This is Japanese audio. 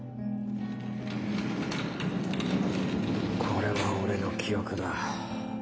これが俺の記憶だ。